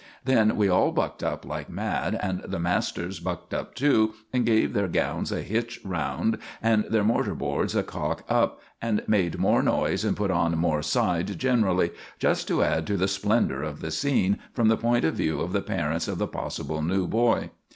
Then we all bucked up like mad, and the masters bucked up too, and gave their gowns a hitch round and their mortar boards a cock up, and made more noise and put on more side generally, just to add to the splendor of the scene from the point of view of the parents of the possible new boy.